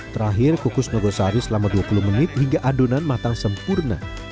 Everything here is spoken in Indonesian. terakhir kukus nogosari selama dua puluh menit hingga adonan matang sempurna